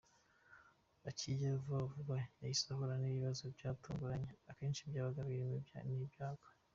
Akijyaho, vuba vuba yahise ahura n’ibibazo byatuguranye akenshi byabaga birimo n’ibyago.